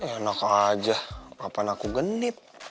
enak aja kapan aku genit